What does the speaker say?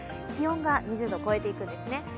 気温が２０度を超えていくんですね。